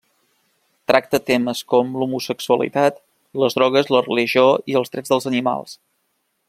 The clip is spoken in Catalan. Tracta temes com l'homosexualitat, les drogues, la religió i els drets dels animals.